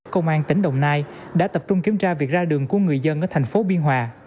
công an tỉnh đồng nai đã tập trung kiểm tra việc ra đường của người dân ở thành phố biên hòa